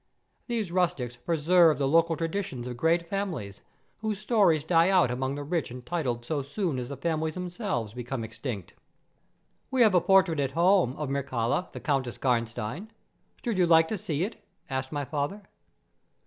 These rustics preserve the local traditions of great families, whose stories die out among the rich and titled so soon as the families themselves become extinct." "We have a portrait, at home, of Mircalla, the Countess Karnstein; should you like to see it?" asked my father.